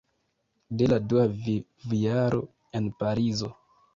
De la dua vivjaro en Parizo.